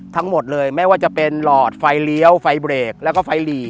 ทั้งหมดเลยไม่ว่าจะเป็นหลอดไฟเลี้ยวไฟเบรกแล้วก็ไฟหลี